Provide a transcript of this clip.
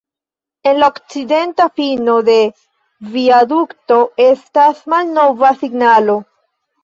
En la okcidenta fino de viadukto estas malnova signalo.